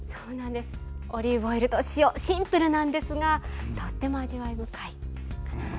オリーブオイルと塩でシンプルなんですがとても味わい深い。